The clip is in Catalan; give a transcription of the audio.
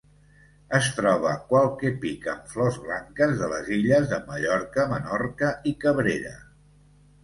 Es troba qualque pic amb flors blanques de les illes de Mallorca, Menorca i Cabrera.